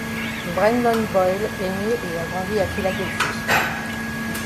Brendon Boyle est né et a grandi à Philadelphie.